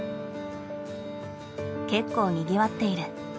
結構にぎわっている。